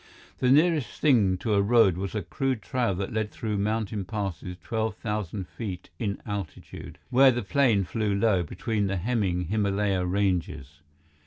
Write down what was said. The nearest thing to a road was a crude trail that led through mountain passes twelve thousand feet in altitude, where the plane flew low between the hemming Himalaya ranges.